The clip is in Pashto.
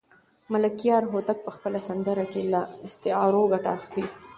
ملکیار هوتک په خپله سندره کې له استعارو ګټه اخلي.